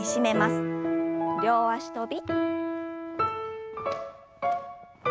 両脚跳び。